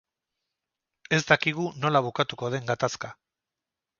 Ez dakigu nola bukatuko den gatazka